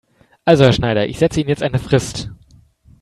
Also Herr Schneider, ich setze Ihnen jetzt eine Frist.